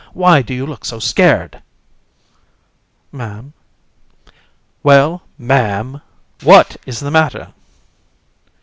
why do you look so scared? AND. Ma'am. COUN. Well Ma'am what is the matter?